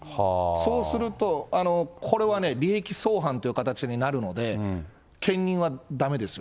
そうすると、これはね、利益相反という形になるので、兼任はだめですよ。